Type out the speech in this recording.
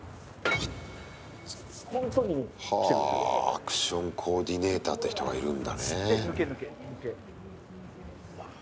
アクションコーディネーターって人がいるんだね。